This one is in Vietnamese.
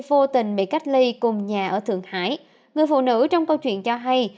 vô tình bị cách ly cùng nhà ở thượng hải người phụ nữ trong câu chuyện cho hay